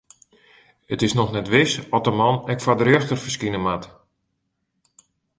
It is noch net wis oft de man ek foar de rjochter ferskine moat.